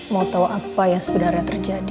mau tahu apa yang sebenarnya terjadi